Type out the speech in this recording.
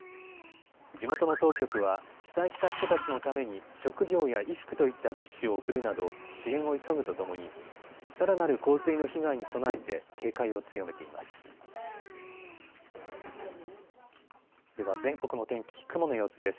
地元の当局は、被災した人たちのために食料や衣服といった物資を送るなど支援を急ぐとともにさらなる洪水の被害に備えて警戒を強めています。